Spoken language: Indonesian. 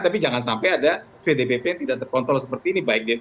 tapi jangan sampai ada vdpv yang tidak terkontrol seperti ini